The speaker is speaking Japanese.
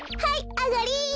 あがり！